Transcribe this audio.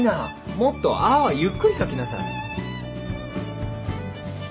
もっと「あ」はゆっくり書きなさい！